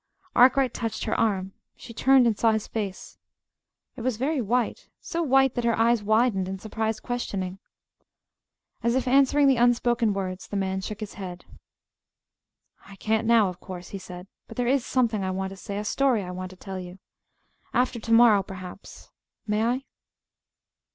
Arkwright touched her arm. She turned and saw his face. It was very white so white that her eyes widened in surprised questioning. As if answering the unspoken words, the man shook his head. "I can't, now, of course," he said. "But there is something I want to say a story I want to tell you after to morrow, perhaps. May I?"